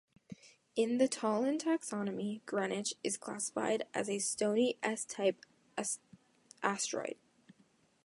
In the Tholen taxonomy, "Greenwich" is classified as a stony S-type asteroid.